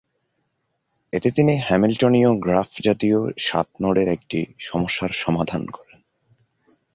এতে তিনি হ্যামিলটনীয় গ্রাফ জাতীয় সাত-নোডের একটি সমস্যার সমাধান করেন।